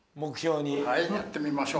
はいやってみましょう。